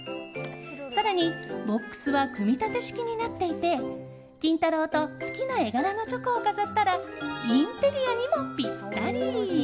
更に、ボックスは組み立て式になっていて金太郎と好きな絵柄のチョコを飾ったらインテリアにもぴったり。